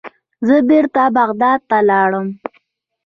زه بیرته بغداد ته لاړم.